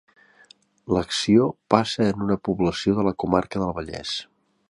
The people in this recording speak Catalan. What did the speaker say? L'acció passa en una població de la comarca del Vallès.